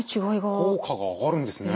効果が上がるんですね。